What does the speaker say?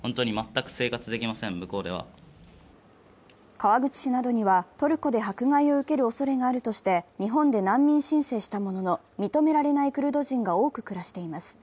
川口市などにはトルコで迫害を受けるおそれがあるとして日本で難民申請したものの認められないクルド人が多く暮らしています。